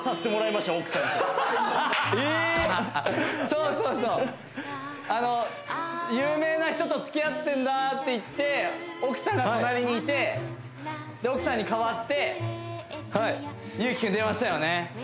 そうそうそう有名な人とつきあってんだって言って奥さんが隣にいてで奥さんにかわって有輝君電話したよね